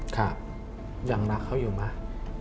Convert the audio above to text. ค่ะยังรักเขาอยู่ไหม